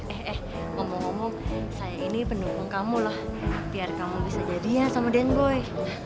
eh eh omong omong saya ini pendukung kamu lah biar kamu bisa jadi ya sama den boy